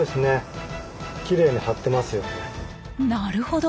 なるほど。